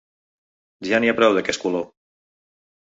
Ja n’hi ha prou d’aquest color.